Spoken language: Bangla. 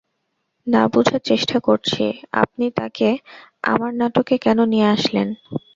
না, বুঝার চেষ্টা করছি আপনি তাকে আমার নাটকে কেন নিয়ে আসলেন।